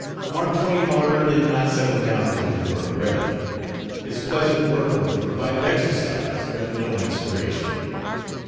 Mark Twain, however, did not settle down to his work readily. His "pleasant work room" provided exercise, but no inspiration.